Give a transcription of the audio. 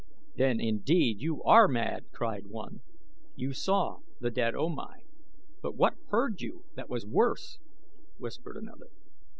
"Then indeed you are mad," cried one. "You saw the dead O Mai; but what heard you that was worse?" whispered another.